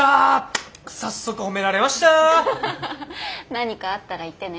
何かあったら言ってね